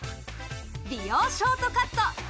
美容ショートカット。